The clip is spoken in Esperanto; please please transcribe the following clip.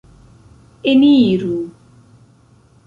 Eniru!